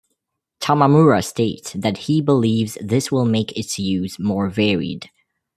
Tamamura states that he believes this will make its use more varied.